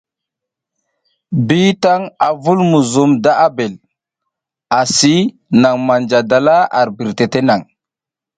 Bitan a vul muzum le da Abel, asi naŋ manja dala ar birtete naŋ.